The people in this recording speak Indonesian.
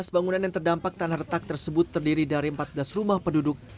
lima belas bangunan yang terdampak tanah retak tersebut terdiri dari empat belas rumah penduduk